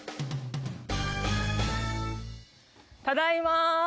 ただいまー！